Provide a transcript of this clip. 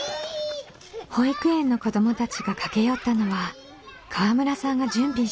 保育園の子どもたちが駆け寄ったのは河村さんが準備した福引き。